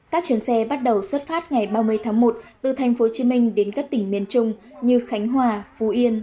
các chuyến xe bắt đầu xuất phát ngày ba mươi tháng một từ tp hcm đến các tỉnh miền trung như khánh hòa phú yên